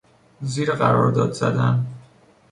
زیر قرارداد زدن